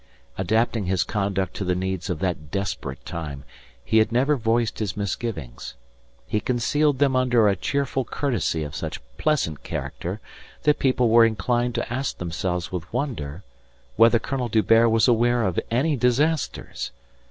Adapting his conduct to the needs of that desperate time, he had never voiced his misgivings. He concealed them under a cheerful courtesy of such pleasant character that people were inclined to ask themselves with wonder whether Colonel D'Hubert was aware of any disasters.